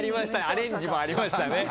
アレンジもありましたね。